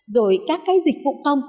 rồi các cái dịch vụ công